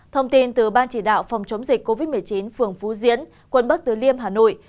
thông tin từ ban chỉ đạo phòng chống dịch covid một mươi chín phường phú diễn quận bắc từ liêm hà nội